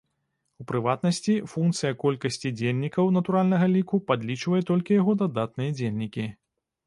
У прыватнасці, функцыя колькасці дзельнікаў натуральнага ліку падлічвае толькі яго дадатныя дзельнікі.